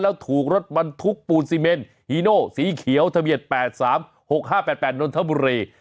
แล้วถูกรถบรรทุกปูนซีเมนฮีโนสีเขียวทะเบียน๘๓๖๕๘๘นนทบุรี